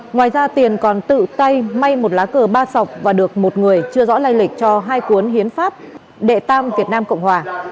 ngoài ra tiền còn tự tay may một lá cờ ba sọc và được một người chưa rõ lây lịch cho hai cuốn hiến pháp đệ tam việt nam cộng hòa